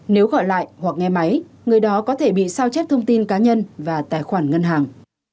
nếu gọi lại hoặc nghe máy người đó có thể bị sao chép thông tin cá nhân và tài khoản ngân hàng